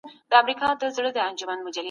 پوهه د ژوند څراغ دی.